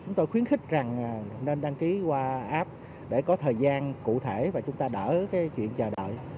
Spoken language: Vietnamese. chúng tôi khuyến khích rằng nên đăng ký qua app để có thời gian cụ thể và chúng ta đỡ cái chuyện chờ đợi